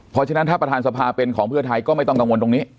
เพราะฉะนั้นถ้าประธานสภาเป็นของเพื่อไทยก็ไม่ต้องกังวลตรงนี้